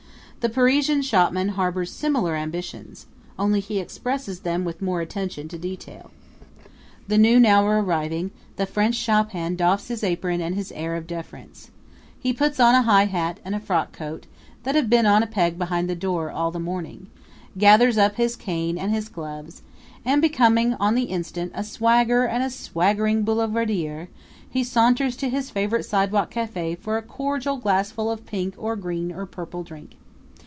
The Parisian shopman harbors similar ambitions only he expresses them with more attention to detail. The noon hour arriving, the French shophand doffs his apron and his air of deference. He puts on a high hat and a frock coat that have been on a peg behind the door all the morning, gathers up his cane and his gloves; and, becoming on the instant a swagger and a swaggering boulevardier, he saunters to his favorite sidewalk cafe for a cordial glassful of a pink or green or purple drink.